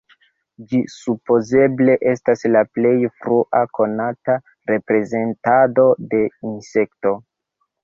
Ĝi supozeble estas la plej frua konata reprezentado de insekto.